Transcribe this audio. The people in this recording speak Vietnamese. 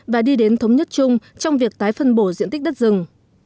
và đi đến thống nhất chung trong việc tái phân bổ diện tích đất rừng